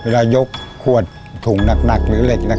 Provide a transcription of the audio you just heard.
เวลายกขวดถุงหนักหรือเหล็กหนัก